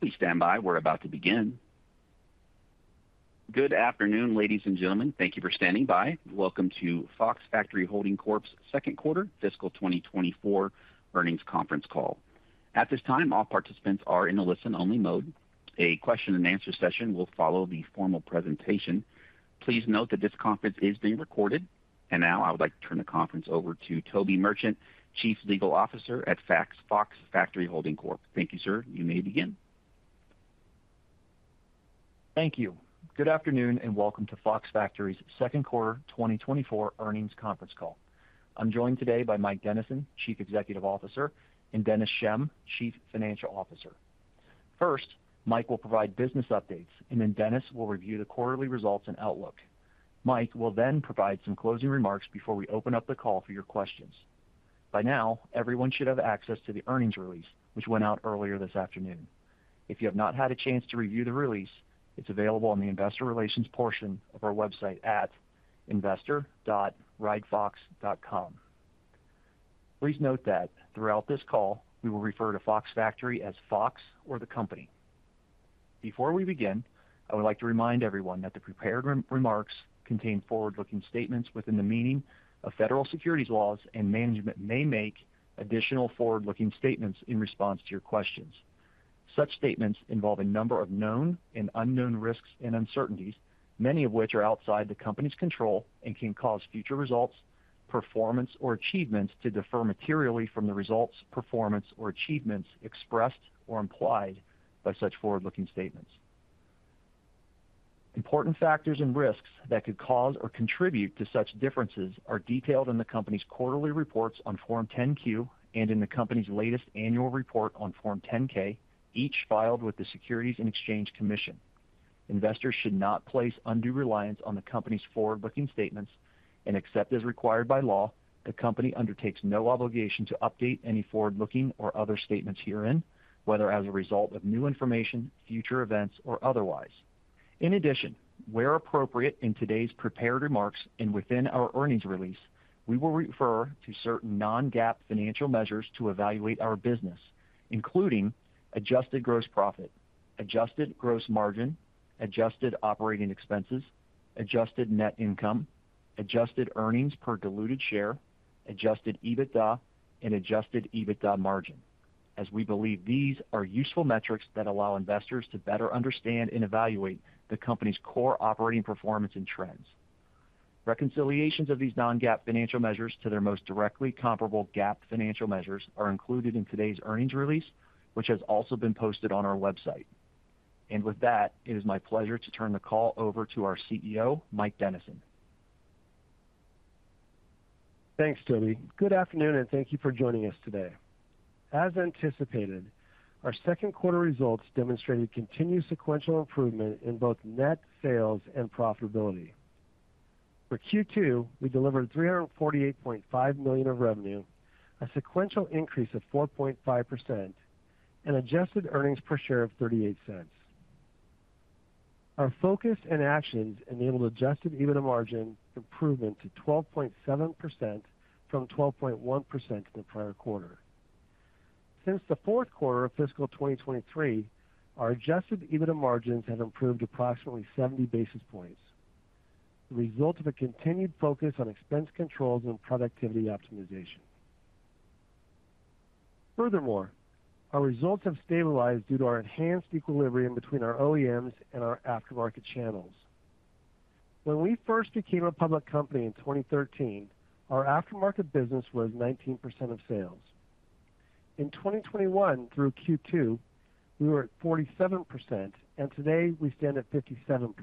Please stand by. We're about to begin. Good afternoon, ladies and gentlemen. Thank you for standing by. Welcome to Fox Factory Holding Corp's second quarter fiscal 2024 earnings conference call. At this time, all participants are in a listen-only mode. A question-and-answer session will follow the formal presentation. Please note that this conference is being recorded. Now I would like to turn the conference over to Toby Merchant, Chief Legal Officer at Fox Factory Holding Corp. Thank you, sir. You may begin. Thank you. Good afternoon, and welcome to Fox Factory's second quarter 2024 earnings conference call. I'm joined today by Mike Dennison, Chief Executive Officer, and Dennis Schemm, Chief Financial Officer. First, Mike will provide business updates, and then Dennis will review the quarterly results and outlook. Mike will then provide some closing remarks before we open up the call for your questions. By now, everyone should have access to the earnings release, which went out earlier this afternoon. If you have not had a chance to review the release, it's available on the investor relations portion of our website at investor.ridefox.com. Please note that throughout this call, we will refer to Fox Factory as Fox or the company. Before we begin, I would like to remind everyone that the prepared remarks contain forward-looking statements within the meaning of federal securities laws, and management may make additional forward-looking statements in response to your questions. Such statements involve a number of known and unknown risks and uncertainties, many of which are outside the company's control and can cause future results, performance, or achievements to differ materially from the results, performance, or achievements expressed or implied by such forward-looking statements. Important factors and risks that could cause or contribute to such differences are detailed in the company's quarterly reports on Form 10-Q and in the company's latest annual report on Form 10-K, each filed with the Securities and Exchange Commission. Investors should not place undue reliance on the company's forward-looking statements, and except as required by law, the company undertakes no obligation to update any forward-looking or other statements herein, whether as a result of new information, future events, or otherwise. In addition, where appropriate in today's prepared remarks and within our earnings release, we will refer to certain non-GAAP financial measures to evaluate our business, including adjusted gross profit, adjusted gross margin, adjusted operating expenses, adjusted net income, adjusted earnings per diluted share, adjusted EBITDA, and adjusted EBITDA margin. As we believe these are useful metrics that allow investors to better understand and evaluate the company's core operating performance and trends. Reconciliations of these non-GAAP financial measures to their most directly comparable GAAP financial measures are included in today's earnings release, which has also been posted on our website. With that, it is my pleasure to turn the call over to our CEO, Mike Dennison. Thanks, Toby. Good afternoon, and thank you for joining us today. As anticipated, our second quarter results demonstrated continued sequential improvement in both net sales and profitability. For Q2, we delivered $348.5 million of revenue, a sequential increase of 4.5%, and adjusted earnings per share of $0.38. Our focus and actions enabled adjusted EBITDA margin improvement to 12.7% from 12.1% in the prior quarter. Since the fourth quarter of fiscal 2023, our adjusted EBITDA margins have improved approximately 70 basis points, the result of a continued focus on expense controls and productivity optimization. Furthermore, our results have stabilized due to our enhanced equilibrium between our OEMs and our aftermarket channels. When we first became a public company in 2013, our aftermarket business was 19% of sales. In 2021, through Q2, we were at 47%, and today we stand at 57%.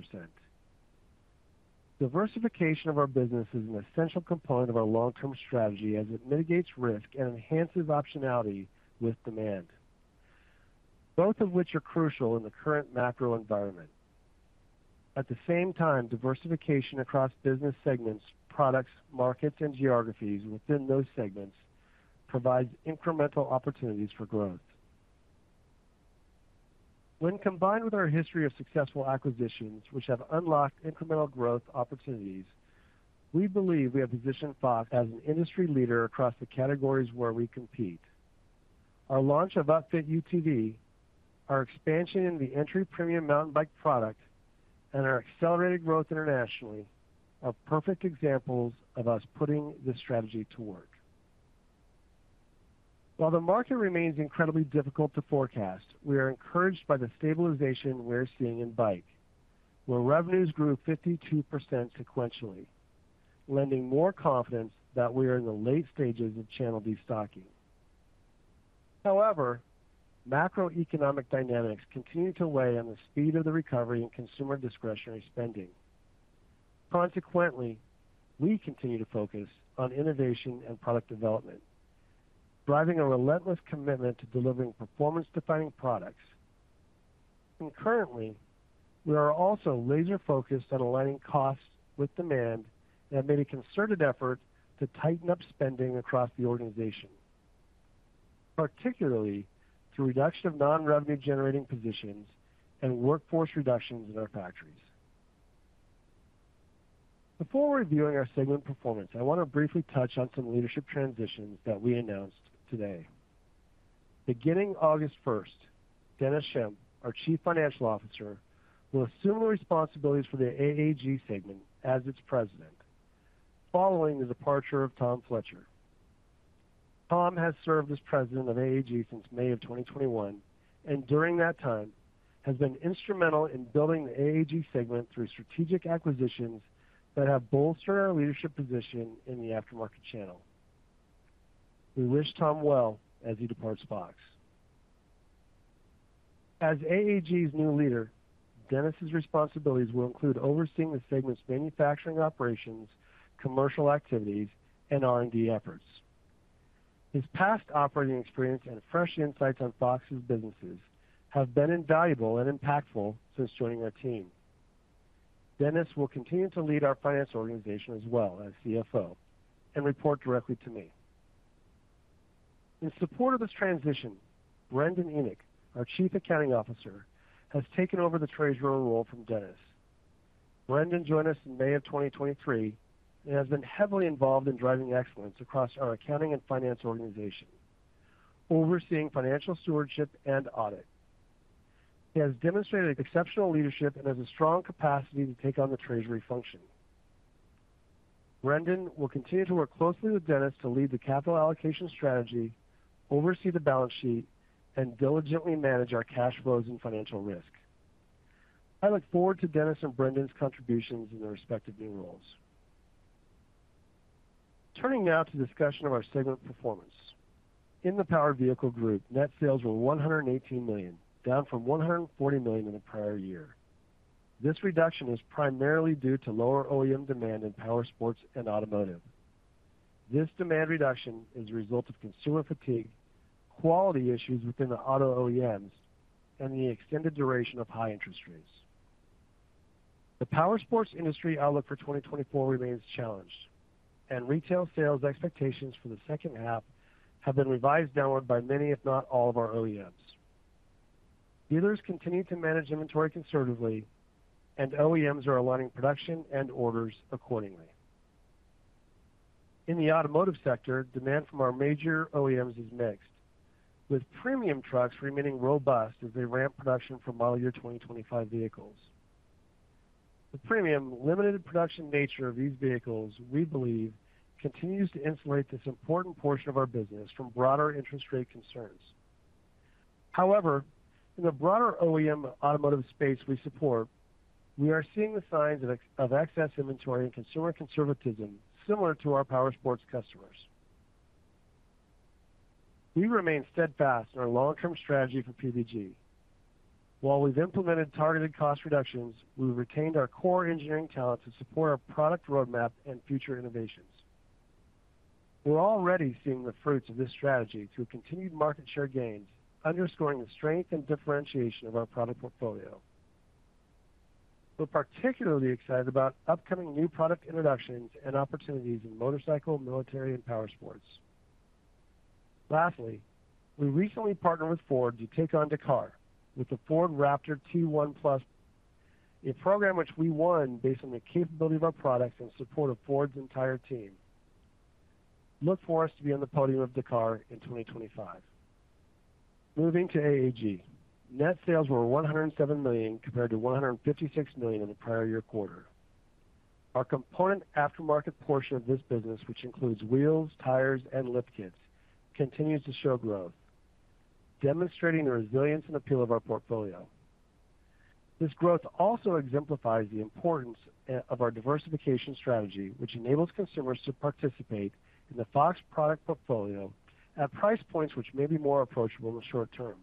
Diversification of our business is an essential component of our long-term strategy as it mitigates risk and enhances optionality with demand, both of which are crucial in the current macro environment. At the same time, diversification across business segments, products, markets, and geographies within those segments provides incremental opportunities for growth. When combined with our history of successful acquisitions, which have unlocked incremental growth opportunities, we believe we have positioned Fox as an industry leader across the categories where we compete. Our launch of Upfit UTV, our expansion in the entry premium mountain bike product, and our accelerated growth internationally, are perfect examples of us putting this strategy to work. While the market remains incredibly difficult to forecast, we are encouraged by the stabilization we're seeing in bike, where revenues grew 52% sequentially, lending more confidence that we are in the late stages of channel destocking. However, macroeconomic dynamics continue to weigh on the speed of the recovery in consumer discretionary spending. Consequently, we continue to focus on innovation and product development, driving a relentless commitment to delivering performance-defining products. Concurrently, we are also laser-focused on aligning costs with demand and have made a concerted effort to tighten up spending across the organization, particularly through reduction of non-revenue generating positions and workforce reductions in our factories.... Before reviewing our segment performance, I want to briefly touch on some leadership transitions that we announced today. Beginning August first, Dennis Schemm, our Chief Financial Officer, will assume the responsibilities for the AAG segment as its president, following the departure of Tom Fletcher. Tom has served as President of AAG since May of 2021, and during that time, has been instrumental in building the AAG segment through strategic acquisitions that have bolstered our leadership position in the aftermarket channel. We wish Tom well as he departs Fox. As AAG's new leader, Dennis's responsibilities will include overseeing the segment's manufacturing operations, commercial activities, and R&D efforts. His past operating experience and fresh insights on Fox's businesses have been invaluable and impactful since joining our team. Dennis will continue to lead our finance organization as well as CFO, and report directly to me. In support of this transition, Brendan Enick, our Chief Accounting Officer, has taken over the treasurer role from Dennis. Brendan joined us in May of 2023, and has been heavily involved in driving excellence across our accounting and finance organization, overseeing financial stewardship and audit. He has demonstrated exceptional leadership and has a strong capacity to take on the treasury function. Brendan will continue to work closely with Dennis to lead the capital allocation strategy, oversee the balance sheet, and diligently manage our cash flows and financial risk. I look forward to Dennis and Brendan's contributions in their respective new roles. Turning now to discussion of our segment performance. In the Powered Vehicle Group, net sales were $118 million, down from $140 million in the prior year. This reduction is primarily due to lower OEM demand in power, sports, and automotive. This demand reduction is a result of consumer fatigue, quality issues within the auto OEMs, and the extended duration of high interest rates. The power sports industry outlook for 2024 remains challenged, and retail sales expectations for the second half have been revised downward by many, if not all, of our OEMs. Dealers continue to manage inventory conservatively, and OEMs are aligning production and orders accordingly. In the automotive sector, demand from our major OEMs is mixed, with premium trucks remaining robust as they ramp production for model year 2025 vehicles. The premium limited production nature of these vehicles, we believe, continues to insulate this important portion of our business from broader interest rate concerns. However, in the broader OEM automotive space we support, we are seeing the signs of excess inventory and consumer conservatism similar to our power sports customers. We remain steadfast in our long-term strategy for PVG. While we've implemented targeted cost reductions, we've retained our core engineering talent to support our product roadmap and future innovations. We're already seeing the fruits of this strategy through continued market share gains, underscoring the strength and differentiation of our product portfolio. We're particularly excited about upcoming new product introductions and opportunities in motorcycle, military, and power sports. Lastly, we recently partnered with Ford to take on Dakar with the Ford Raptor T1+, a program which we won based on the capability of our products in support of Ford's entire team. Look for us to be on the podium of Dakar in 2025. Moving to AAG. Net sales were $107 million, compared to $156 million in the prior year quarter. Our component aftermarket portion of this business, which includes wheels, tires, and lift kits, continues to show growth, demonstrating the resilience and appeal of our portfolio. This growth also exemplifies the importance of our diversification strategy, which enables consumers to participate in the Fox product portfolio at price points which may be more approachable in the short term.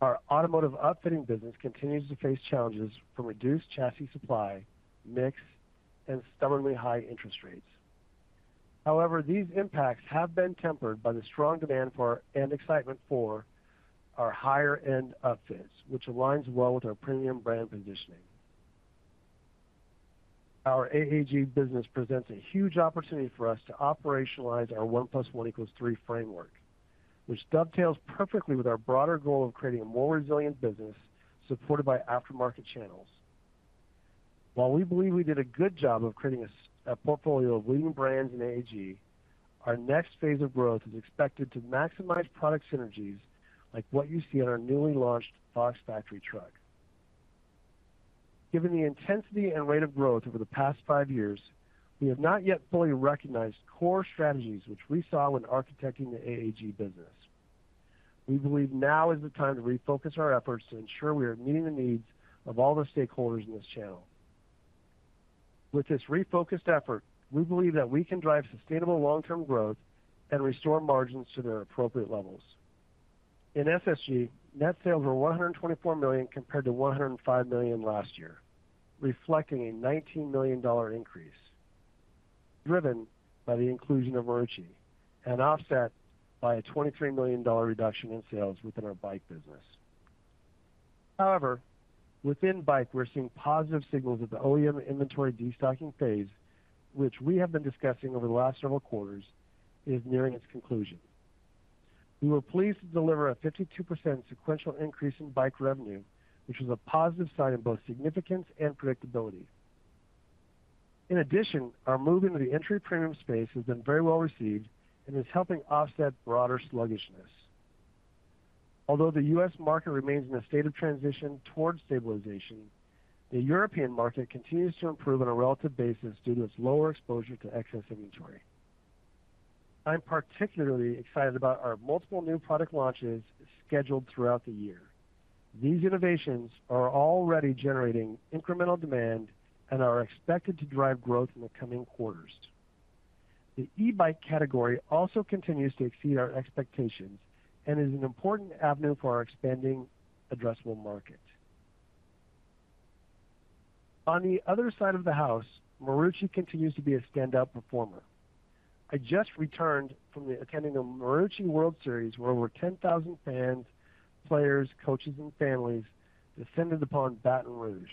Our automotive outfitting business continues to face challenges from reduced chassis supply, mix, and stubbornly high interest rates. However, these impacts have been tempered by the strong demand for, and excitement for our higher-end outfits, which aligns well with our premium brand positioning. Our AAG business presents a huge opportunity for us to operationalize our one plus one equals three framework, which dovetails perfectly with our broader goal of creating a more resilient business supported by aftermarket channels. While we believe we did a good job of creating a portfolio of leading brands in AAG, our next phase of growth is expected to maximize product synergies, like what you see in our newly launched Fox Factory Truck. Given the intensity and rate of growth over the past five years, we have not yet fully recognized core strategies which we saw when architecting the AAG business. We believe now is the time to refocus our efforts to ensure we are meeting the needs of all the stakeholders in this channel. With this refocused effort, we believe that we can drive sustainable long-term growth and restore margins to their appropriate levels. In SSG, net sales were $124 million, compared to $105 million last year, reflecting a $19 million increase, driven by the inclusion of Marucci and offset by a $23 million reduction in sales within our bike business. However, within bike, we're seeing positive signals that the OEM inventory destocking phase, which we have been discussing over the last several quarters, is nearing its conclusion. We were pleased to deliver a 52% sequential increase in bike revenue, which is a positive sign of both significance and predictability. In addition, our move into the entry premium space has been very well received and is helping offset broader sluggishness. Although the U.S. market remains in a state of transition towards stabilization, the European market continues to improve on a relative basis due to its lower exposure to excess inventory. I'm particularly excited about our multiple new product launches scheduled throughout the year. These innovations are already generating incremental demand and are expected to drive growth in the coming quarters. The e-bike category also continues to exceed our expectations, and is an important avenue for our expanding addressable market. On the other side of the house, Marucci continues to be a standout performer. I just returned from attending a Marucci World Series, where over 10,000 fans, players, coaches, and families descended upon Baton Rouge.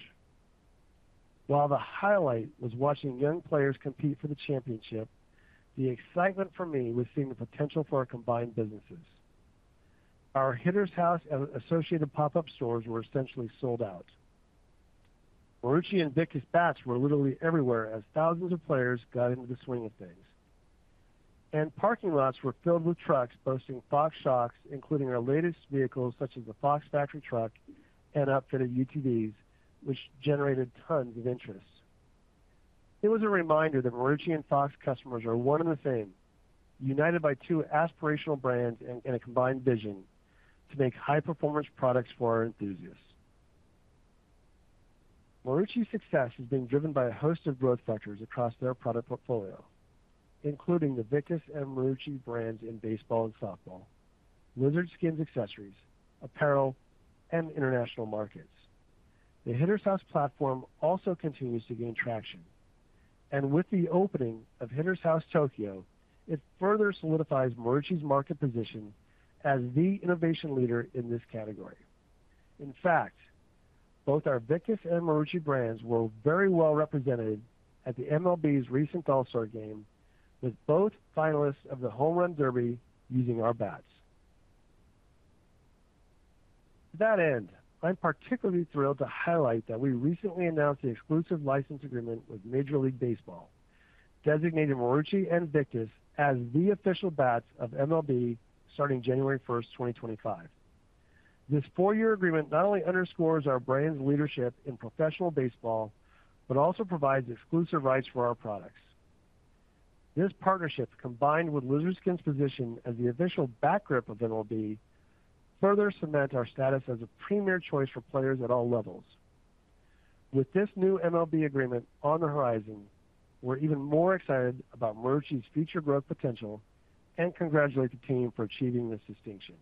While the highlight was watching young players compete for the championship, the excitement for me was seeing the potential for our combined businesses. Our Hitters House and associated pop-up stores were essentially sold out. Marucci and Victus bats were literally everywhere, as thousands of players got into the swing of things. Parking lots were filled with trucks boasting Fox shocks, including our latest vehicles, such as the Fox Factory truck and upfitted UTVs, which generated tons of interest. It was a reminder that Marucci and Fox customers are one and the same, united by two aspirational brands and a combined vision to make high-performance products for our enthusiasts. Marucci's success has been driven by a host of growth factors across their product portfolio, including the Victus and Marucci brands in baseball and softball, Lizard Skins accessories, apparel, and international markets. The Hitters House platform also continues to gain traction, and with the opening of Hitters House Tokyo, it further solidifies Marucci's market position as the innovation leader in this category. In fact, both our Victus and Marucci brands were very well represented at the MLB's recent All-Star Game, with both finalists of the Home Run Derby using our bats. To that end, I'm particularly thrilled to highlight that we recently announced the exclusive license agreement with Major League Baseball, designating Marucci and Victus as the official bats of MLB starting January 1, 2025. This 4-year agreement not only underscores our brand's leadership in professional baseball, but also provides exclusive rights for our products. This partnership, combined with Lizard Skins' position as the official bat grip of MLB, further cements our status as a premier choice for players at all levels. With this new MLB agreement on the horizon, we're even more excited about Marucci's future growth potential, and congratulate the team for achieving this distinction.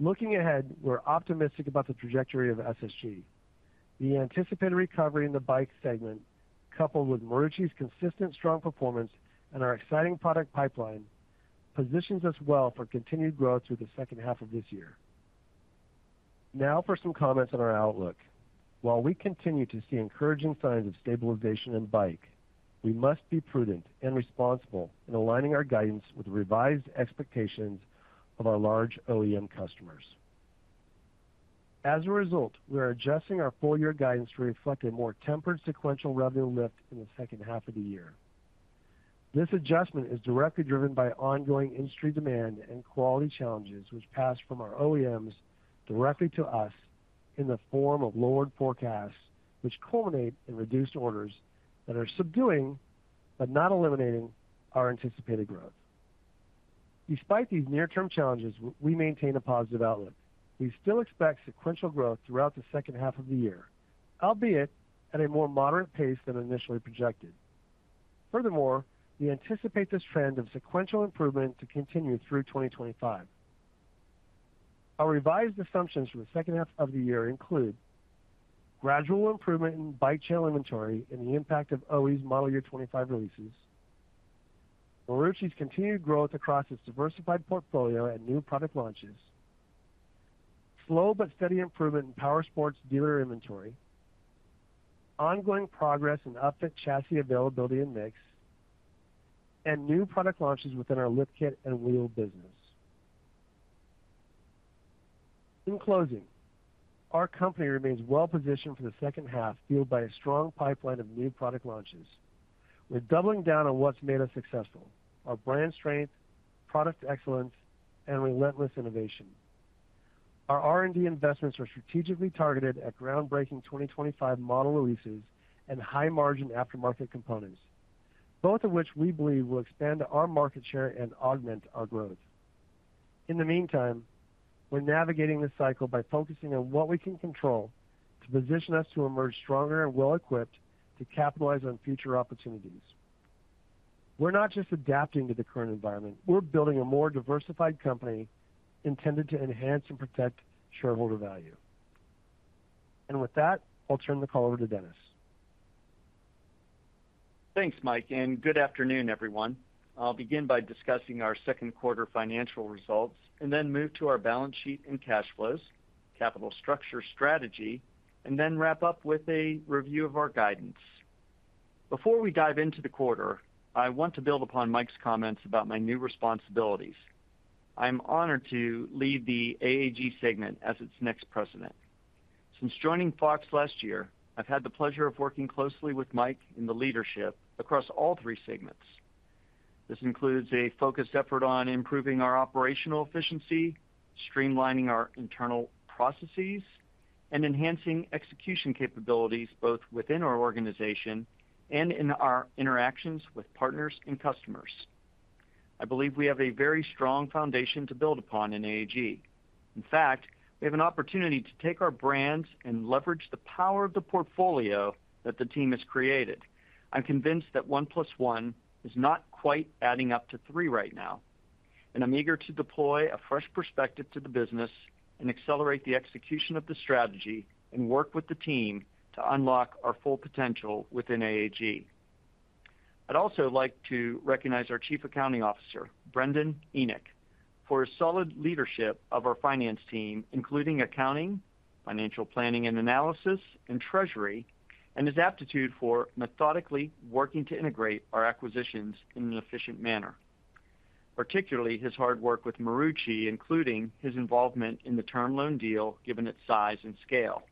Looking ahead, we're optimistic about the trajectory of SSG. The anticipated recovery in the bike segment, coupled with Marucci's consistent strong performance and our exciting product pipeline, positions us well for continued growth through the second half of this year. Now for some comments on our outlook. While we continue to see encouraging signs of stabilization in bike, we must be prudent and responsible in aligning our guidance with the revised expectations of our large OEM customers. As a result, we are adjusting our full year guidance to reflect a more tempered sequential revenue lift in the second half of the year. This adjustment is directly driven by ongoing industry demand and quality challenges, which pass from our OEMs directly to us in the form of lowered forecasts, which culminate in reduced orders that are subduing but not eliminating our anticipated growth. Despite these near-term challenges, we maintain a positive outlook. We still expect sequential growth throughout the second half of the year, albeit at a more moderate pace than initially projected. Furthermore, we anticipate this trend of sequential improvement to continue through 2025. Our revised assumptions for the second half of the year include: gradual improvement in bike channel inventory and the impact of OEs' Model Year 2025 releases, Marucci's continued growth across its diversified portfolio and new product launches, slow but steady improvement in powersports dealer inventory, ongoing progress in upfit chassis availability and mix, and new product launches within our lift kit and wheel business. In closing, our company remains well positioned for the second half, fueled by a strong pipeline of new product launches. We're doubling down on what's made us successful: our brand strength, product excellence, and relentless innovation. Our R&D investments are strategically targeted at groundbreaking 2025 model releases and high-margin aftermarket components, both of which we believe will expand our market share and augment our growth. In the meantime, we're navigating this cycle by focusing on what we can control to position us to emerge stronger and well-equipped to capitalize on future opportunities. We're not just adapting to the current environment, we're building a more diversified company intended to enhance and protect shareholder value. With that, I'll turn the call over to Dennis. Thanks, Mike, and good afternoon, everyone. I'll begin by discussing our second quarter financial results, and then move to our balance sheet and cash flows, capital structure strategy, and then wrap up with a review of our guidance. Before we dive into the quarter, I want to build upon Mike's comments about my new responsibilities. I'm honored to lead the AAG segment as its next president. Since joining Fox last year, I've had the pleasure of working closely with Mike and the leadership across all three segments. This includes a focused effort on improving our operational efficiency, streamlining our internal processes, and enhancing execution capabilities, both within our organization and in our interactions with partners and customers. I believe we have a very strong foundation to build upon in AAG. In fact, we have an opportunity to take our brands and leverage the power of the portfolio that the team has created. I'm convinced that one plus one is not quite adding up to three right now, and I'm eager to deploy a fresh perspective to the business and accelerate the execution of the strategy and work with the team to unlock our full potential within AAG. I'd also like to recognize our Chief Accounting Officer, Brendan Enick, for his solid leadership of our finance team, including accounting, financial planning and analysis, and treasury, and his aptitude for methodically working to integrate our acquisitions in an efficient manner. Particularly his hard work with Marucci, including his involvement in the term loan deal, given its size and scale.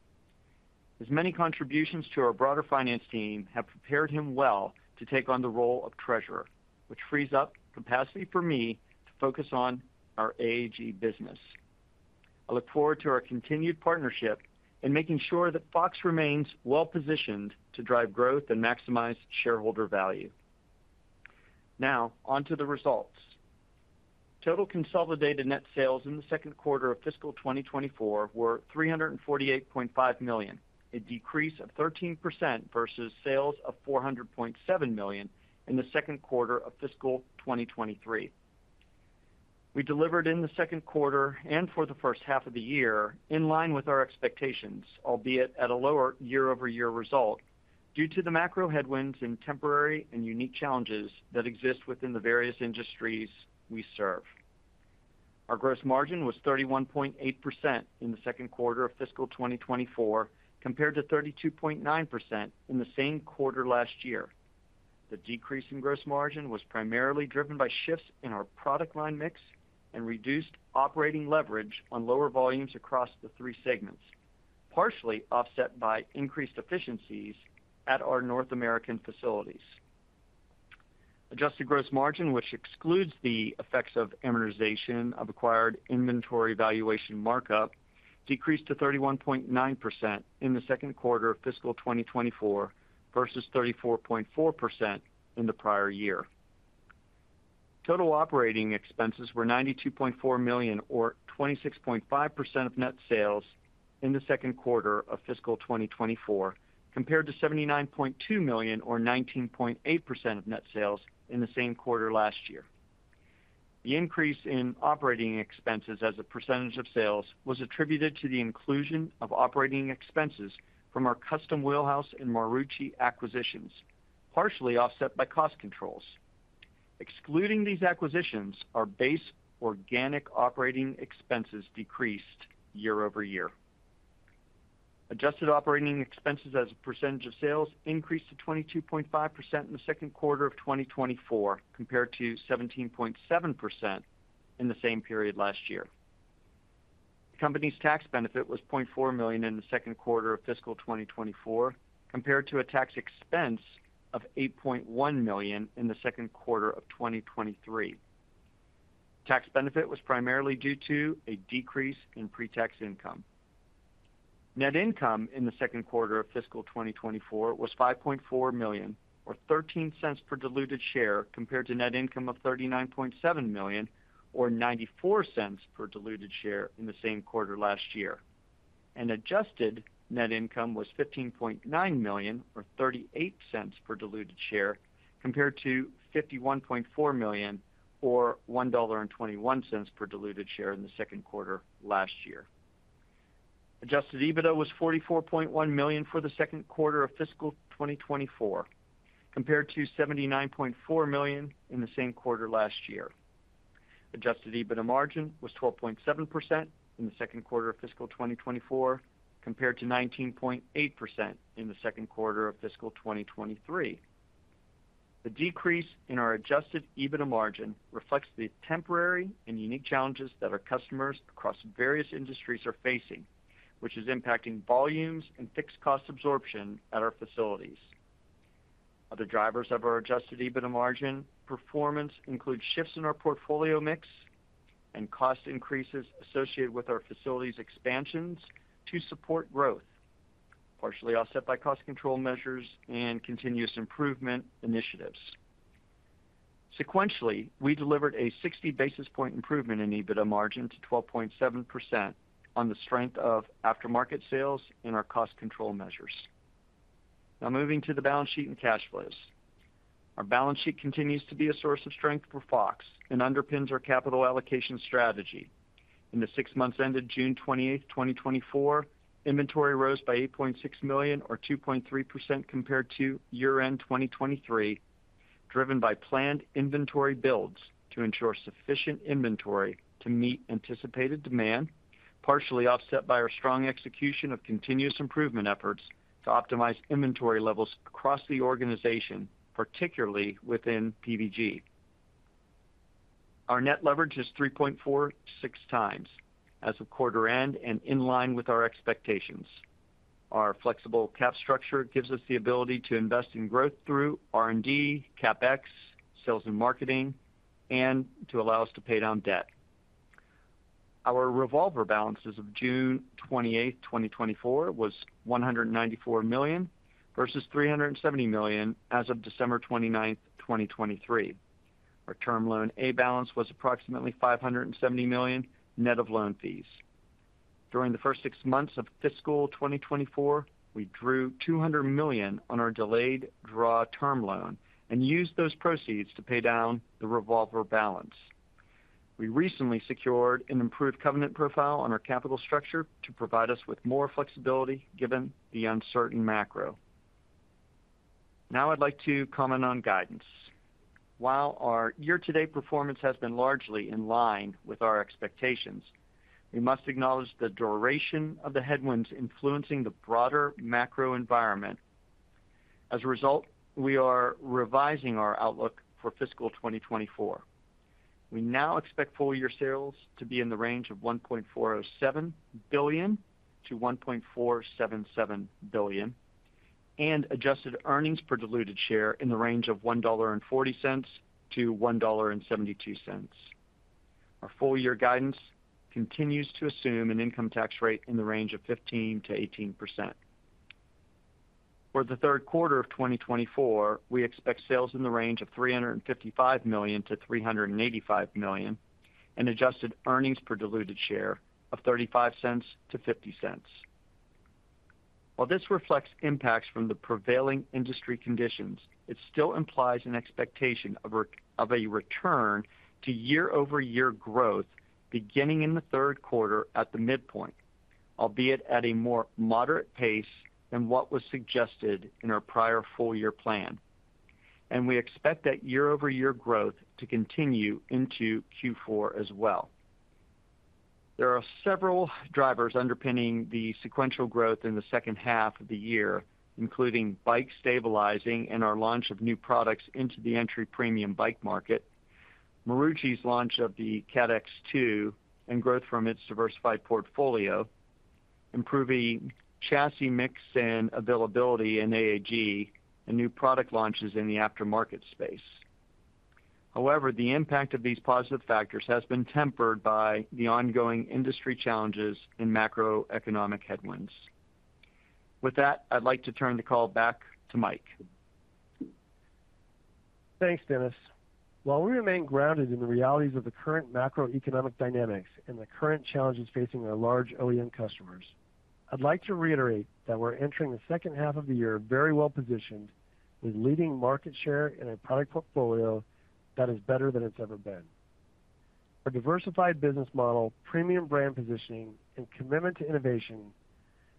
His many contributions to our broader finance team have prepared him well to take on the role of treasurer, which frees up capacity for me to focus on our AAG business. I look forward to our continued partnership and making sure that Fox remains well-positioned to drive growth and maximize shareholder value. Now, on to the results. Total consolidated net sales in the second quarter of fiscal 2024 were $348.5 million, a decrease of 13% versus sales of $400.7 million in the second quarter of fiscal 2023. We delivered in the second quarter and for the first half of the year, in line with our expectations, albeit at a lower year-over-year result, due to the macro headwinds and temporary and unique challenges that exist within the various industries we serve. Our gross margin was 31.8% in the second quarter of fiscal 2024, compared to 32.9% in the same quarter last year. The decrease in gross margin was primarily driven by shifts in our product line mix and reduced operating leverage on lower volumes across the three segments, partially offset by increased efficiencies at our North American facilities. Adjusted gross margin, which excludes the effects of amortization of acquired inventory valuation markup, decreased to 31.9% in the second quarter of fiscal 2024 versus 34.4% in the prior year. Total operating expenses were $92.4 million or 26.5% of net sales in the second quarter of fiscal 2024, compared to $79.2 million or 19.8% of net sales in the same quarter last year. The increase in operating expenses as a percentage of sales was attributed to the inclusion of operating expenses from our Custom Wheel House and Marucci acquisitions, partially offset by cost controls. Excluding these acquisitions, our base organic operating expenses decreased year-over-year. Adjusted operating expenses as a percentage of sales increased to 22.5% in the second quarter of 2024, compared to 17.7% in the same period last year. The company's tax benefit was $0.4 million in the second quarter of fiscal 2024, compared to a tax expense of $8.1 million in the second quarter of 2023. Tax benefit was primarily due to a decrease in pre-tax income. Net income in the second quarter of fiscal 2024 was $5.4 million, or $0.13 per diluted share, compared to net income of $39.7 million, or $0.94 per diluted share in the same quarter last year. Adjusted net income was $15.9 million or $0.38 per diluted share, compared to $51.4 million or $1.21 per diluted share in the second quarter last year. Adjusted EBITDA was $44.1 million for the second quarter of fiscal 2024, compared to $79.4 million in the same quarter last year. Adjusted EBITDA margin was 12.7% in the second quarter of fiscal 2024, compared to 19.8% in the second quarter of fiscal 2023. The decrease in our adjusted EBITDA margin reflects the temporary and unique challenges that our customers across various industries are facing, which is impacting volumes and fixed cost absorption at our facilities. Other drivers of our adjusted EBITDA margin performance include shifts in our portfolio mix and cost increases associated with our facilities expansions to support growth, partially offset by cost control measures and continuous improvement initiatives. Sequentially, we delivered a 60 basis point improvement in EBITDA margin to 12.7% on the strength of aftermarket sales and our cost control measures. Now moving to the balance sheet and cash flows. Our balance sheet continues to be a source of strength for Fox and underpins our capital allocation strategy. In the six months ended June 28, 2024, inventory rose by $8.6 million, or 2.3% compared to year-end 2023. driven by planned inventory builds to ensure sufficient inventory to meet anticipated demand, partially offset by our strong execution of continuous improvement efforts to optimize inventory levels across the organization, particularly within PVG. Our net leverage is 3.46 times as of quarter end and in line with our expectations. Our flexible cap structure gives us the ability to invest in growth through R&D, CapEx, sales and marketing, and to allow us to pay down debt. Our revolver balance as of June 28, 2024, was $194 million, versus $370 million as of December 29, 2023. Our term loan A balance was approximately $570 million, net of loan fees. During the first six months of fiscal 2024, we drew $200 million on our delayed draw term loan and used those proceeds to pay down the revolver balance. We recently secured an improved covenant profile on our capital structure to provide us with more flexibility, given the uncertain macro. Now I'd like to comment on guidance. While our year-to-date performance has been largely in line with our expectations, we must acknowledge the duration of the headwinds influencing the broader macro environment. As a result, we are revising our outlook for fiscal 2024. We now expect full year sales to be in the range of $1.407 billion-$1.477 billion, and adjusted earnings per diluted share in the range of $1.40-$1.72. Our full year guidance continues to assume an income tax rate in the range of 15%-18%. For the third quarter of 2024, we expect sales in the range of $355 million-$385 million, and adjusted earnings per diluted share of $0.35-$0.50. While this reflects impacts from the prevailing industry conditions, it still implies an expectation of a return to year-over-year growth beginning in the third quarter at the midpoint, albeit at a more moderate pace than what was suggested in our prior full year plan. And we expect that year-over-year growth to continue into Q4 as well. There are several drivers underpinning the sequential growth in the second half of the year, including bike stabilizing and our launch of new products into the entry premium bike market. Marucci's launch of the CATX2, and growth from its diversified portfolio, improving chassis mix and availability in AAG, and new product launches in the aftermarket space. However, the impact of these positive factors has been tempered by the ongoing industry challenges and macroeconomic headwinds. With that, I'd like to turn the call back to Mike. Thanks, Dennis. While we remain grounded in the realities of the current macroeconomic dynamics and the current challenges facing our large OEM customers, I'd like to reiterate that we're entering the second half of the year very well-positioned, with leading market share and a product portfolio that is better than it's ever been. Our diversified business model, premium brand positioning, and commitment to innovation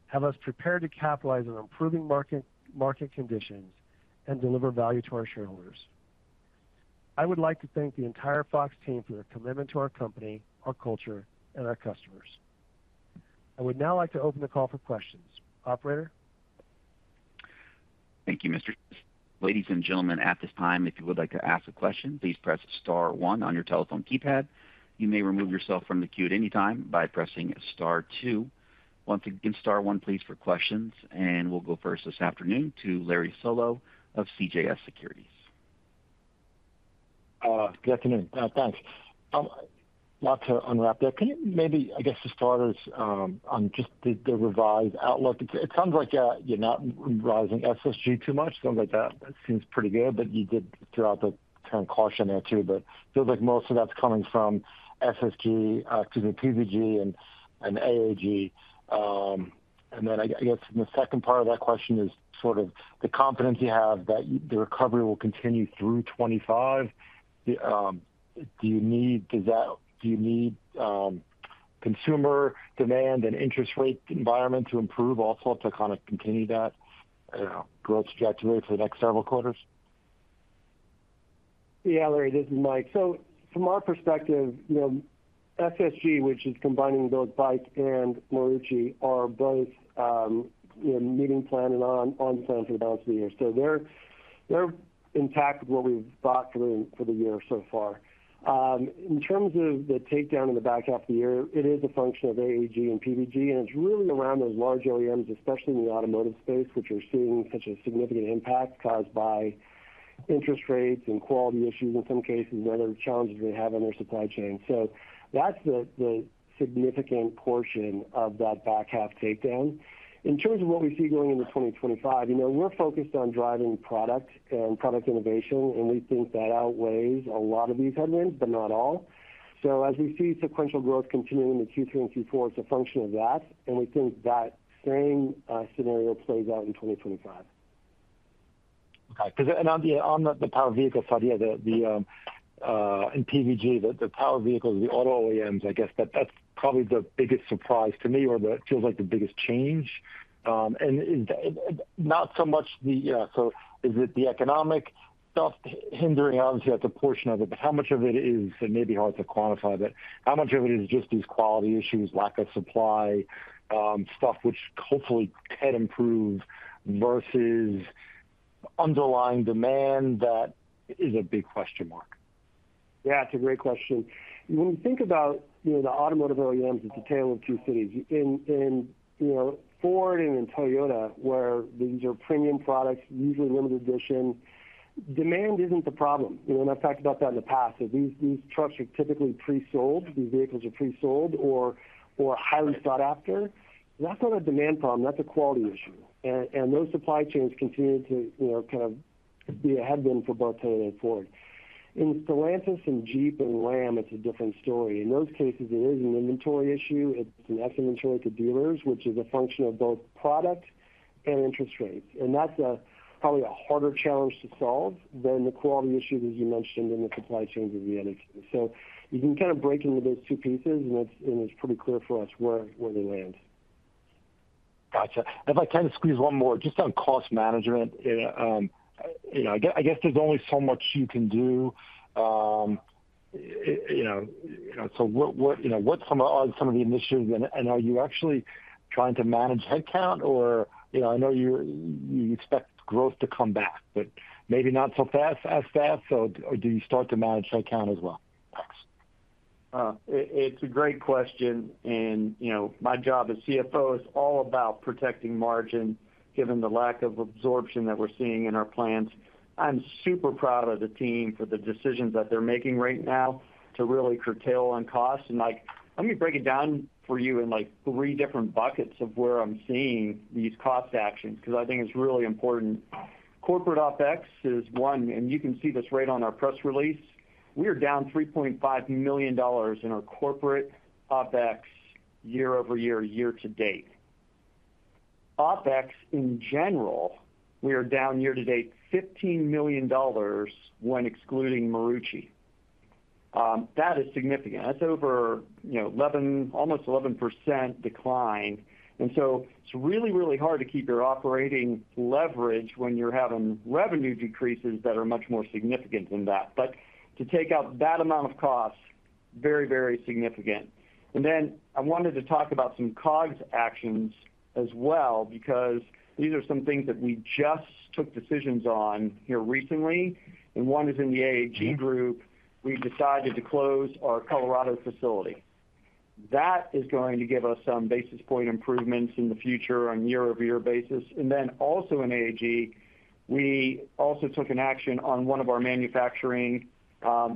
have us prepared to capitalize on improving market, market conditions and deliver value to our shareholders. I would like to thank the entire Fox team for their commitment to our company, our culture, and our customers. I would now like to open the call for questions. Operator? Thank you, mister. Ladies and gentlemen, at this time, if you would like to ask a question, please press star one on your telephone keypad. You may remove yourself from the queue at any time by pressing star two. Once again, star one, please, for questions, and we'll go first this afternoon to Larry Solow of CJS Securities. Good afternoon. Thanks. Lot to unwrap there. Can you maybe, I guess, to start us on just the revised outlook? It sounds like you're not revising SSG too much. Sounds like that seems pretty good, but you did throw out the term caution there, too, but feels like most of that's coming from SSG, excuse me, PVG and AAG. And then I guess the second part of that question is sort of the confidence you have that the recovery will continue through 2025. Do you need consumer demand and interest rate environment to improve also to kind of continue that growth trajectory for the next several quarters? Yeah, Larry, this is Mike. So from our perspective, you know, SSG, which is combining both Bike and Marucci, are both, you know, meeting plan and on, on plan for the balance of the year. So they're, they're intact with what we've thought through for the year so far. In terms of the takedown in the back half of the year, it is a function of AAG and PVG, and it's really around those large OEMs, especially in the automotive space, which are seeing such a significant impact caused by interest rates and quality issues in some cases, and other challenges they have on their supply chain. So that's the, the significant portion of that back half takedown. In terms of what we see going into 2025, you know, we're focused on driving product and product innovation, and we think that outweighs a lot of these headwinds, but not all. So as we see sequential growth continuing into Q3 and Q4, it's a function of that, and we think that same scenario plays out in 2025. Okay. Because, and on the, on the power vehicle side, yeah, in PVG, the power vehicles, the auto OEMs, I guess that's probably the biggest surprise to me, or it feels like the biggest change. And not so much the, so is it the economic stuff hindering? Obviously, that's a portion of it, but how much of it is, it may be hard to quantify, but how much of it is just these quality issues, lack of supply, stuff which hopefully can improve versus underlying demand? That is a big question mark. Yeah, it's a great question. When you think about, you know, the automotive OEMs, it's a tale of two cities. In, you know, Ford and in Toyota, where these are premium products, usually limited edition, demand isn't the problem. You know, and I've talked about that in the past, that these trucks are typically pre-sold, these vehicles are pre-sold or highly sought after. That's not a demand problem, that's a quality issue. And those supply chains continue to, you know, kind of be a headwind for both Toyota and Ford. In Stellantis and Jeep and Ram, it's a different story. In those cases, it is an inventory issue. It's an inventory to dealers, which is a function of both product and interest rates, and that's probably a harder challenge to solve than the quality issues, as you mentioned, in the supply chains of the other two. So you can kind of break into those two pieces, and it's pretty clear for us where they land. Gotcha. If I kind of squeeze one more just on cost management. You know, I guess there's only so much you can do. You know, so what are some of the initiatives, and are you actually trying to manage headcount or... You know, I know you expect growth to come back, but maybe not as fast, so or do you start to manage headcount as well? It's a great question, and, you know, my job as CFO is all about protecting margin, given the lack of absorption that we're seeing in our plans. I'm super proud of the team for the decisions that they're making right now to really curtail on costs. And, Mike, let me break it down for you in, like, three different buckets of where I'm seeing these cost actions, because I think it's really important. Corporate OpEx is one, and you can see this right on our press release. We are down $3.5 million in our corporate OpEx year-over-year, year to date. OpEx, in general, we are down year to date $15 million when excluding Marucci. That is significant. That's over, you know, 11, almost 11% decline, and so it's really, really hard to keep your operating leverage when you're having revenue decreases that are much more significant than that. But to take out that amount of cost, very, very significant. And then I wanted to talk about some COGS actions as well, because these are some things that we just took decisions on here recently, and one is in the AG group. We've decided to close our Colorado facility. That is going to give us some basis point improvements in the future on a year-over-year basis. And then also in AG, we also took an action on one of our manufacturing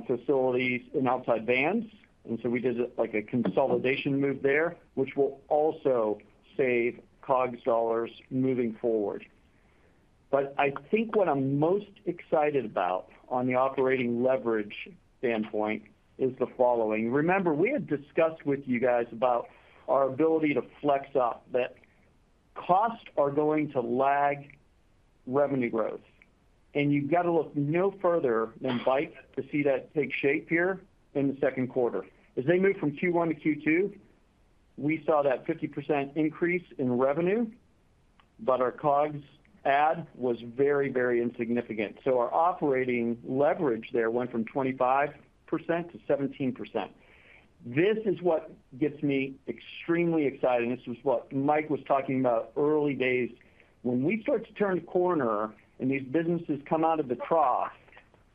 facilities in Outside Van, and so we did a, like a consolidation move there, which will also save COGS dollars moving forward. But I think what I'm most excited about on the operating leverage standpoint is the following: Remember, we had discussed with you guys about our ability to flex up, that costs are going to lag revenue growth, and you've got to look no further than bike to see that take shape here in the second quarter. As they moved from Q1 to Q2, we saw that 50% increase in revenue, but our COGS add was very, very insignificant, so our operating leverage there went from 25% to 17%. This is what gets me extremely excited, and this is what Mike was talking about early days. When we start to turn the corner and these businesses come out of the trough,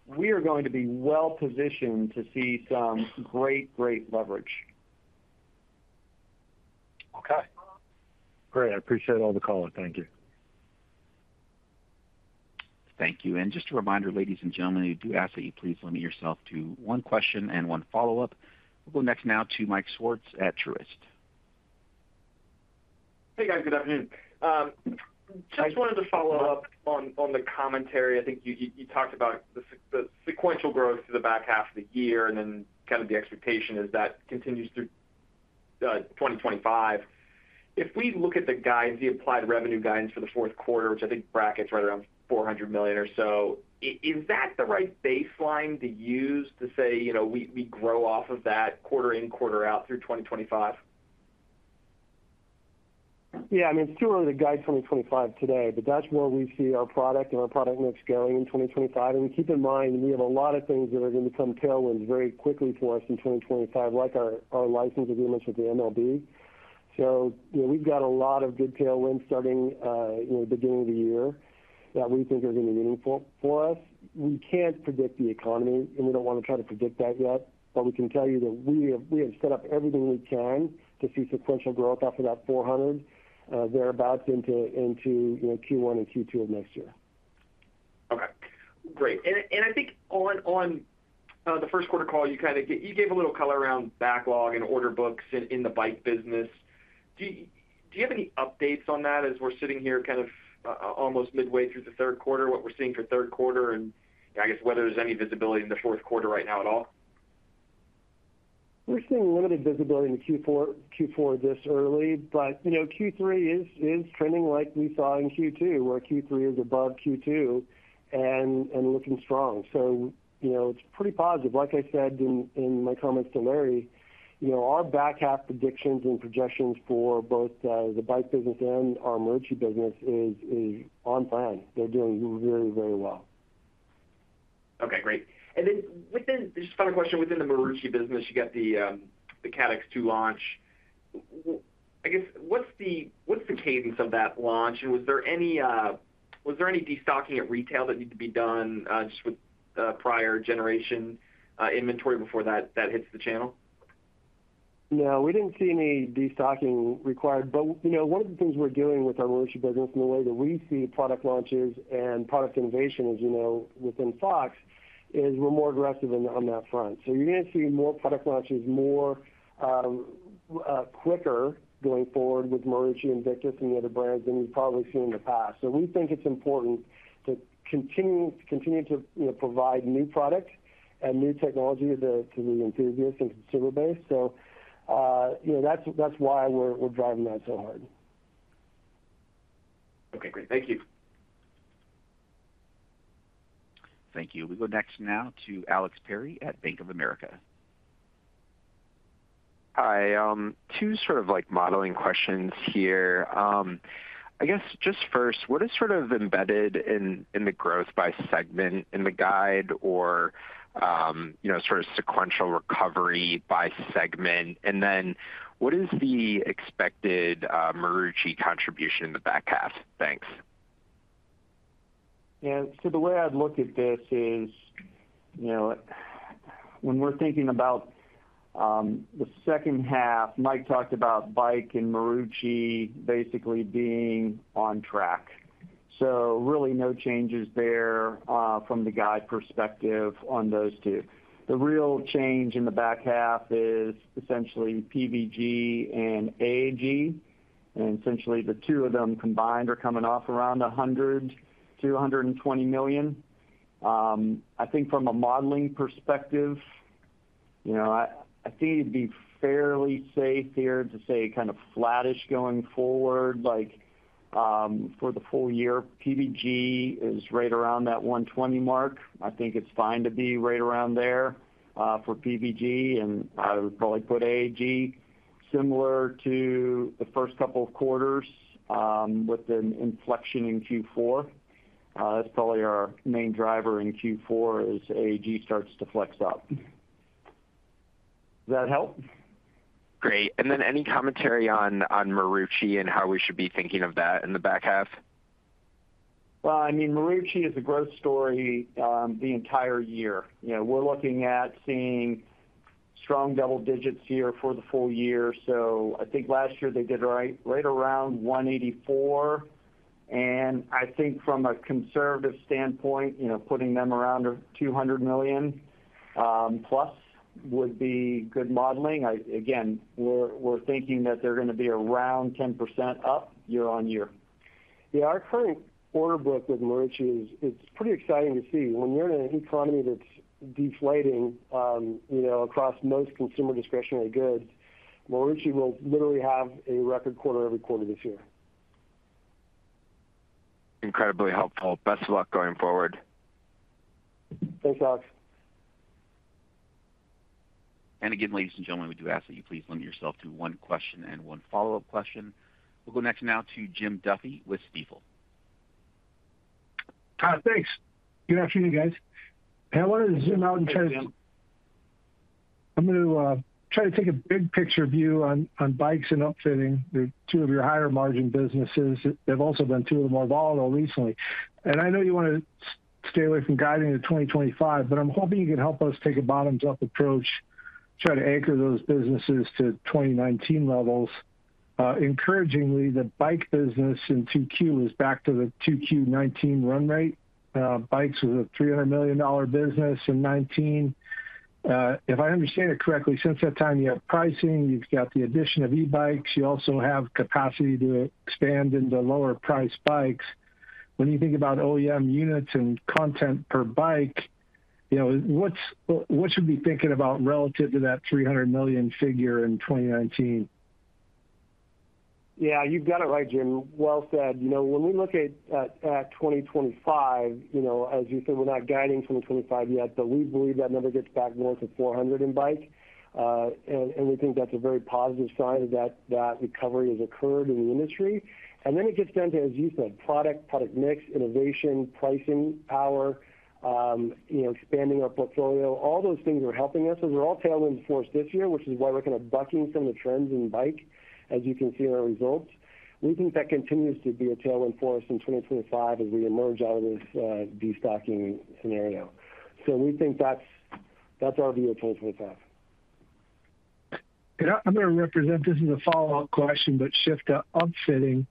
we are going to be well positioned to see some great, great leverage. Okay, great. I appreciate all the color. Thank you. Thank you. Just a reminder, ladies and gentlemen, we do ask that you please limit yourself to one question and one follow-up. We'll go next now to Mike Swartz at Truist. Hey, guys, good afternoon. Just wanted to follow up on the commentary. I think you talked about the sequential growth to the back half of the year and then kind of the expectation as that continues through 2025. If we look at the guidance, the applied revenue guidance for the fourth quarter, which I think brackets right around $400 million or so, is that the right baseline to use to say, you know, we grow off of that quarter in, quarter out through 2025? Yeah, I mean, it's too early to guide 2025 today, but that's where we see our product and our product mix going in 2025. And keep in mind, we have a lot of things that are going to become tailwinds very quickly for us in 2025, like our license agreements with the MLB. So, you know, we've got a lot of good tailwinds starting in the beginning of the year that we think are going to be meaningful for us. We can't predict the economy, and we don't want to try to predict that yet, but we can tell you that we have set up everything we can to see sequential growth off of that $400 thereabouts into you know, Q1 and Q2 of next year. Okay, great. And I think on the first quarter call, you kind of gave a little color around backlog and order books in the bike business. Do you have any updates on that as we're sitting here kind of almost midway through the third quarter, what we're seeing for third quarter, and I guess whether there's any visibility in the fourth quarter right now at all? ... We're seeing limited visibility in Q4, Q4 this early, but, you know, Q3 is trending like we saw in Q2, where Q3 is above Q2 and looking strong. So, you know, it's pretty positive. Like I said in my comments to Larry, you know, our back half predictions and projections for both the bike business and our Marucci business is on plan. They're doing very, very well. Okay, great. And then just a final question, within the Marucci business, you got the CATX2 launch. I guess, what's the cadence of that launch? And was there any destocking at retail that needed to be done, just with prior generation inventory before that hits the channel? No, we didn't see any destocking required. But, you know, one of the things we're doing with our Marucci business and the way that we see product launches and product innovation, as you know, within Fox, is we're more aggressive on that front. So you're going to see more product launches, more quicker going forward with Marucci and Victus and the other brands than you've probably seen in the past. So we think it's important to continue to, you know, provide new products and new technology to the enthusiasts and consumer base. So, you know, that's why we're driving that so hard. Okay, great. Thank you. Thank you. We go next now to Alex Perry at Bank of America. Hi, two sort of like modeling questions here. I guess just first, what is sort of embedded in, in the growth by segment in the guide or, you know, sort of sequential recovery by segment? And then what is the expected, Marucci contribution in the back half? Thanks. Yeah. So the way I'd look at this is, you know, when we're thinking about the second half, Mike talked about bike and Marucci basically being on track. So really no changes there from the guide perspective on those two. The real change in the back half is essentially PVG and AAG, and essentially the two of them combined are coming off around $100 million-$220 million. I think from a modeling perspective, you know, I think it'd be fairly safe here to say kind of flattish going forward, like, for the full year, PVG is right around that $120 million mark. I think it's fine to be right around there for PVG, and I would probably put AAG similar to the first couple of quarters with an inflection in Q4. That's probably our main driver in Q4, as AAG starts to flex up. Does that help? Great. And then any commentary on Marucci and how we should be thinking of that in the back half? Well, I mean, Marucci is a growth story, the entire year. You know, we're looking at seeing strong double digits here for the full year. So I think last year they did right around $184 million, and I think from a conservative standpoint, you know, putting them around $200 million plus would be good modeling. Again, we're thinking that they're going to be around 10% up year-over-year. Yeah, our current order book with Marucci is, it's pretty exciting to see. When you're in an economy that's deflating, you know, across most consumer discretionary goods, Marucci will literally have a record quarter every quarter this year. Incredibly helpful. Best of luck going forward. Thanks, Alex. And again, ladies and gentlemen, we do ask that you please limit yourself to one question and one follow-up question. We'll go next now to Jim Duffy with Stifel. Thanks. Good afternoon, guys. I wanted to zoom out and try to- Thanks, Jim. I'm going to try to take a big picture view on bikes and upfitting, the two of your higher margin businesses. They've also been two of the more volatile recently. And I know you want to stay away from guiding to 2025, but I'm hoping you can help us take a bottoms-up approach, try to anchor those businesses to 2019 levels. Encouragingly, the bike business in Q2 is back to the Q2 2019 run rate. Bikes was a $300 million business in 2019. If I understand it correctly, since that time, you have pricing, you've got the addition of e-bikes, you also have capacity to expand into lower priced bikes. When you think about OEM units and content per bike, you know, what should we be thinking about relative to that $300 million figure in 2019? Yeah, you've got it right, Jim. Well said. You know, when we look at 2025, you know, as you said, we're not guiding to 2025 yet, but we believe that number gets back more to 400 in bikes. And we think that's a very positive sign that that recovery has occurred in the industry. And then it gets down to, as you said, product mix, innovation, pricing power, you know, expanding our portfolio. All those things are helping us, and they're all tailwind force this year, which is why we're kind of bucking some of the trends in bike, as you can see in our results. We think that continues to be a tailwind for us in 2025 as we emerge out of this destocking scenario. So we think that's our view of 2025. And I, I'm going to represent this as a follow-up question, but shift to upfitting.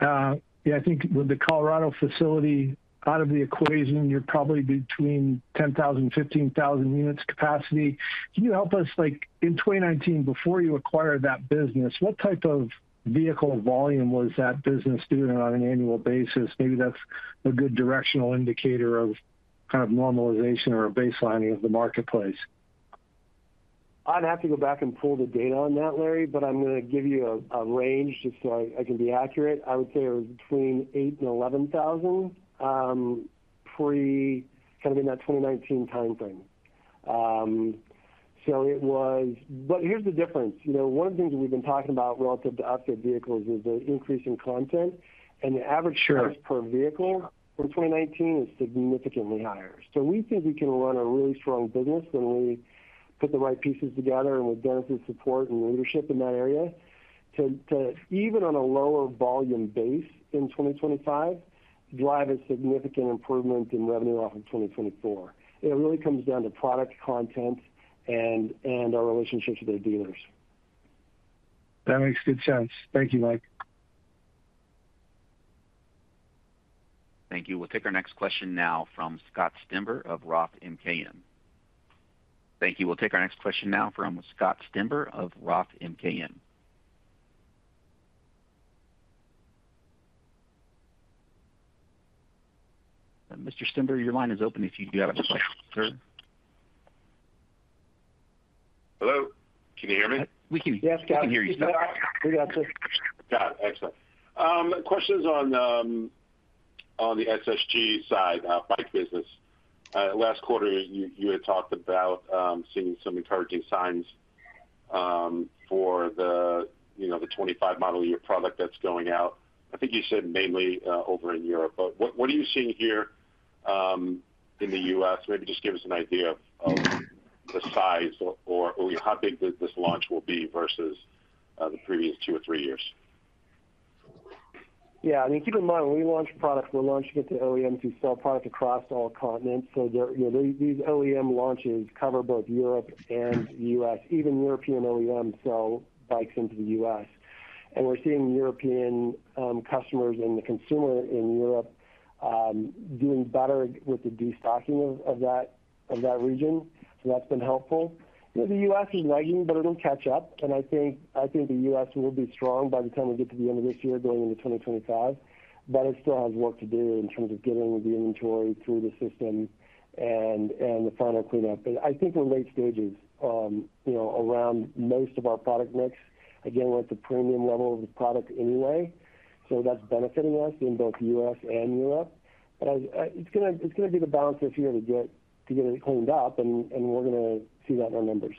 Yeah, I think with the Colorado facility out of the equation, you're probably between 10,000-15,000 units capacity. Can you help us, like, in 2019, before you acquired that business, what type of vehicle volume was that business doing on an annual basis? Maybe that's a good directional indicator of- kind of normalization or a baselining of the marketplace? I'd have to go back and pull the data on that, Larry, but I'm going to give you a range just so I can be accurate. I would say it was between 8,000 and 11,000 pre-kind of in that 2019 time frame. So it was. But here's the difference. You know, one of the things that we've been talking about relative to upfit vehicles is the increase in content, and the average- Sure Price per vehicle in 2019 is significantly higher. So we think we can run a really strong business, and we put the right pieces together, and with Dennis's support and leadership in that area, to even on a lower volume base in 2025, drive a significant improvement in revenue off of 2024. It really comes down to product content and our relationships with our dealers. That makes good sense. Thank you, Mike. Thank you. We'll take our next question now from Scott Stember of Roth MKM. Thank you. We'll take our next question now from Scott Stember of Roth MKM. Mr. Stember, your line is open if you have a question, sir. Hello, can you hear me? We can. Yes. We can hear you now. We got you. Got it. Excellent. Questions on, on the SSG side, bike business. Last quarter, you, you had talked about, seeing some encouraging signs, for the, you know, the 25 model year product that's going out. I think you said mainly, over in Europe, but what, what are you seeing here, in the U.S.? Maybe just give us an idea of, of the size or, or how big this, this launch will be versus, the previous two or three years. Yeah, I mean, keep in mind, when we launch products, we're launching it to OEMs who sell products across all continents. So there, you know, these, these OEM launches cover both Europe and U.S. Even European OEMs sell bikes into the U.S. And we're seeing European customers and the consumer in Europe doing better with the destocking of that region, so that's been helpful. You know, the U.S. is lagging, but it'll catch up, and I think, I think the U.S. will be strong by the time we get to the end of this year, going into 2025. But it still has work to do in terms of getting the inventory through the system and the final cleanup. But I think we're late stages, you know, around most of our product mix. Again, we're at the premium level of the product anyway, so that's benefiting us in both U.S. and Europe. But it's going to be the balance this year to get it cleaned up, and we're going to see that in our numbers.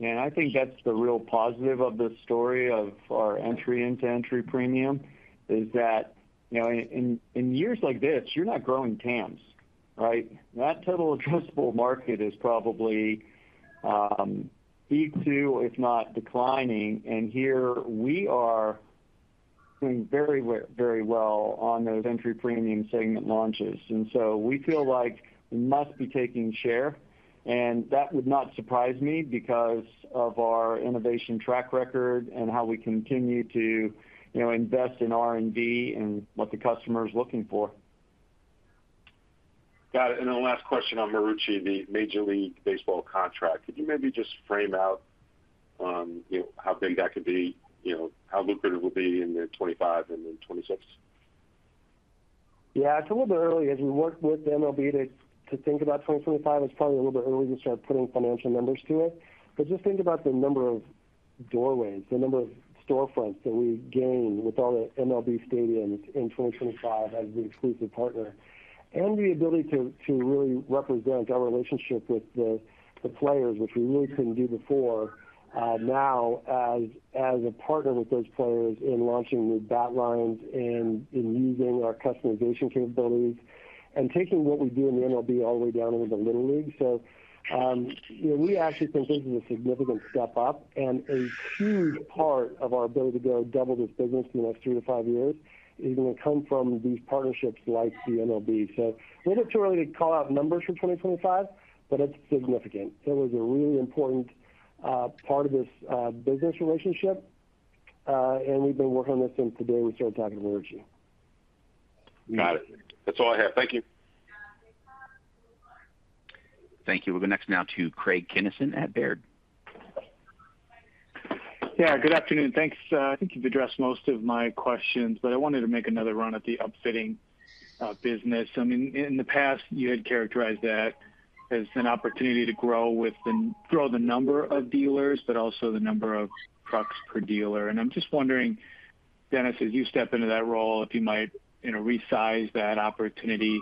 I think that's the real positive of this story of our entry into entry premium, is that, you know, in years like this, you're not growing TAMs, right? That total addressable market is probably equal to, if not declining, and here we are doing very well, very well on those entry premium segment launches. And so we feel like we must be taking share, and that would not surprise me because of our innovation track record and how we continue to, you know, invest in R&D and what the customer is looking for. Got it. And then the last question on Marucci, the Major League Baseball contract. Could you maybe just frame out, you know, how big that could be? You know, how lucrative it will be in 2025 and in 2026? Yeah, it's a little bit early. As we work with MLB to think about 2025, it's probably a little bit early to start putting financial numbers to it. But just think about the number of doorways, the number of storefronts that we gain with all the MLB stadiums in 2025 as the exclusive partner, and the ability to really represent our relationship with the players, which we really couldn't do before. Now, as a partner with those players in launching new bat lines and in using our customization capabilities and taking what we do in the MLB all the way down into the Little League. So, you know, we actually think this is a significant step up, and a huge part of our ability to go double this business in the next three to five years is going to come from these partnerships like the MLB. So a little too early to call out numbers for 2025, but it's significant. It was a really important part of this business relationship, and we've been working on this since the day we started talking to Marucci. Got it. That's all I have. Thank you. Thank you. We'll go next now to Craig Kennison at Baird. Yeah, good afternoon. Thanks. I think you've addressed most of my questions, but I wanted to make another run at the upfitting business. I mean, in the past, you had characterized that as an opportunity to grow the number of dealers, but also the number of trucks per dealer. And I'm just wondering, Dennis, as you step into that role, if you might, you know, resize that opportunity,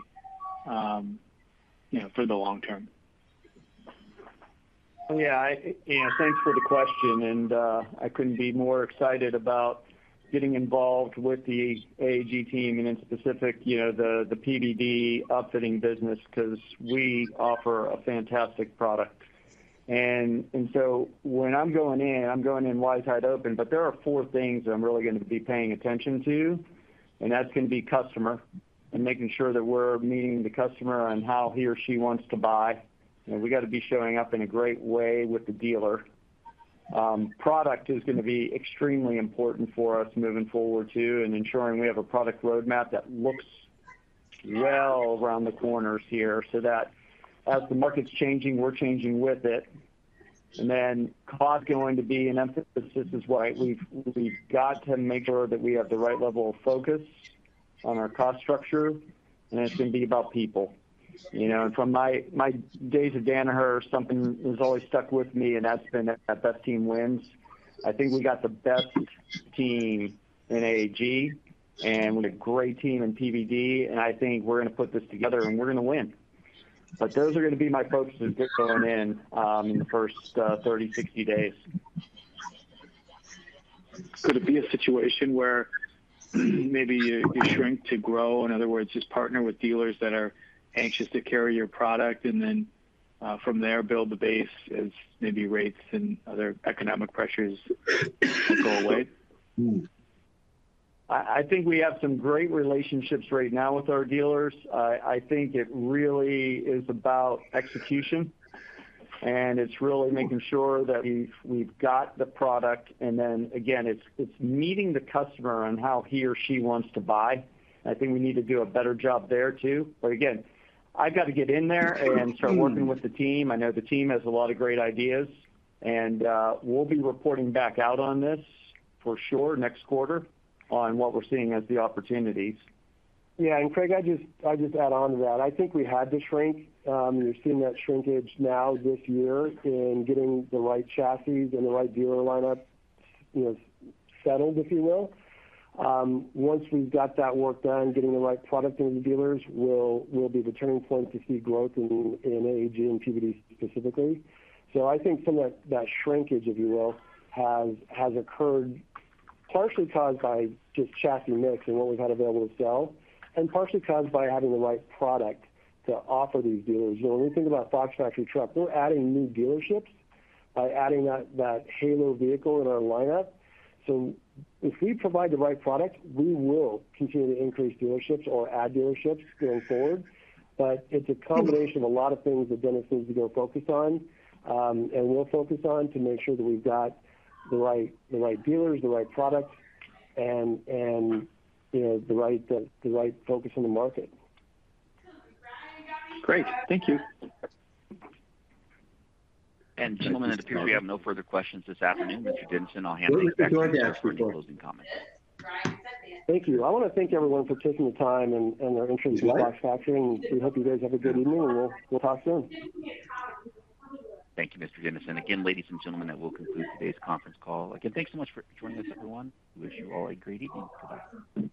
you know, for the long term. Yeah, you know, thanks for the question, and I couldn't be more excited about getting involved with the AAG team and in specific, you know, the PVG upfitting business, because we offer a fantastic product. And so when I'm going in, I'm going in wide, wide open. But there are four things that I'm really going to be paying attention to, and that's going to be customer and making sure that we're meeting the customer on how he or she wants to buy. And we got to be showing up in a great way with the dealer. Product is going to be extremely important for us moving forward, too, and ensuring we have a product roadmap that looks well around the corners here, so that as the market's changing, we're changing with it. Then cost is going to be an emphasis, is why we've got to make sure that we have the right level of focus on our cost structure, and it's going to be about people. You know, from my days at Danaher, something has always stuck with me, and that's been that the best team wins. I think we got the best team in AAG and with a great team in PVG, and I think we're going to put this together, and we're going to win. But those are going to be my focuses going in, in the first 30, 60 days. Could it be a situation where maybe you, you shrink to grow? In other words, just partner with dealers that are anxious to carry your product, and then, from there, build the base as maybe rates and other economic pressures go away? Hmm. I think we have some great relationships right now with our dealers. I think it really is about execution, and it's really making sure that we've got the product, and then again, it's meeting the customer on how he or she wants to buy. I think we need to do a better job there, too. But again, I've got to get in there and start working with the team. I know the team has a lot of great ideas, and we'll be reporting back out on this for sure next quarter on what we're seeing as the opportunities. Yeah, and Craig, I just add on to that. I think we had to shrink. You're seeing that shrinkage now this year in getting the right chassis and the right dealer lineup, you know, settled, if you will. Once we've got that work done, getting the right product into the dealers will be the turning point to see growth in AAG and PVG specifically. So I think some of that shrinkage, if you will, has occurred partially caused by just chassis mix and what we've had available to sell, and partially caused by having the right product to offer these dealers. You know, when we think about Fox Factory truck, we're adding new dealerships by adding that halo vehicle in our lineup. So if we provide the right product, we will continue to increase dealerships or add dealerships going forward. But it's a combination of a lot of things that Dennis needs to go focus on, and we'll focus on to make sure that we've got the right, the right dealers, the right products, and, and, you know, the right, the right focus on the market. Great. Thank you. Gentlemen, it appears we have no further questions this afternoon. Mr. Dennison, I'll hand it back to you for any closing comments. Thank you. I want to thank everyone for taking the time and their interest in Fox Factory, and we hope you guys have a good evening, and we'll talk soon. Thank you, Mr. Dennison. Again, ladies and gentlemen, that will conclude today's conference call. Again, thanks so much for joining us, everyone. We wish you all a great evening. Goodbye.